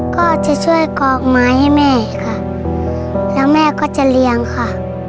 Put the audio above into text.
ก็จะช่วยกรอกไม้ให้แม่ค่ะแล้วแม่ก็จะเลี้ยงค่ะ